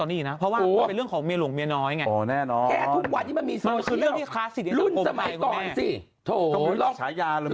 ไม่เอาคุณแม่งเอาความจริงใบนี้ไป